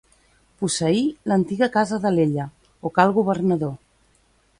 Posseí l'antiga Casa d'Alella, o Cal Governador.